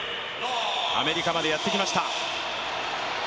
アメリカまでやってきました。